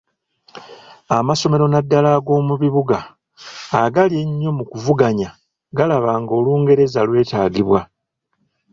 Amasomero naddala ag’omu bibuga agali ennyo mu kuvuganya galaba nga Olungereza lwetaagibwa.